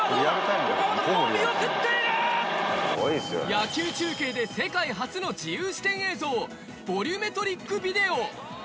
野球中継で世界初の自由視点映像ボリュメトリックビデオ。